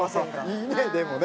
いいねでもね。